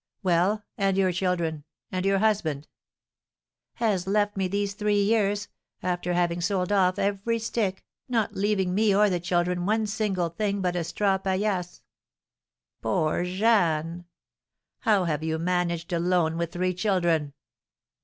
Well, and your children, and your husband?" "Has left me these three years, after having sold off every stick, not leaving me or the children one single thing but a straw palliasse." "Poor Jeanne! How have you managed alone with three children?"